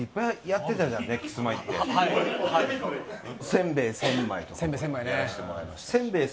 せんべい１０００枚とかやらせてもらいました。